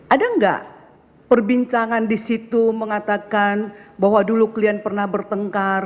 ada nggak perbincangan di situ mengatakan bahwa dulu kalian pernah bertengkar